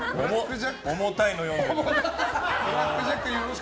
重たいの読んでるな。